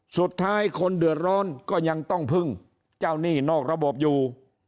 สุดท้ายคนเดือดร้อนก็ยังต้องพึ่งเจ้าหนี้นอกระบบอยู่